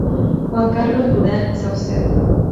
Juan Carlos Duran Saucedo.